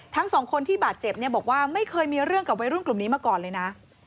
ทั้งสองคนที่บาดเจ็บเนี่ยบอกว่าไม่เคยมีเรื่องกับวัยรุ่นกลุ่มนี้มาก่อนเลยนะ